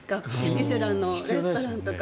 ミシュランのレストランとか。